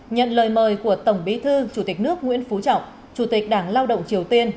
nhận lời mời của tổng bí thư chủ tịch nước nguyễn phú trọng chủ tịch đảng lao động triều tiên